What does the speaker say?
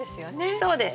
そうです。